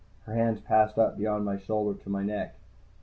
Her hands passed up beyond my shoulder, to my neck.